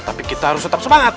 tapi kita harus tetap semangat